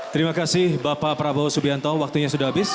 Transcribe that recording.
terima kasih bapak prabowo subianto waktunya sudah habis